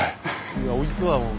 いやおいしそうだもん。